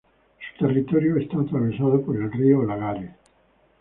Su territorio está atravesado por el río Lagares.